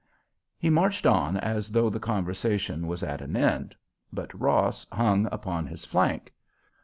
He marched on as though the conversation was at an end; but Ross hung upon his flank.